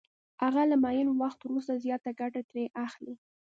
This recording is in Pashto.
هغه له معین وخت وروسته زیاته ګټه ترې اخلي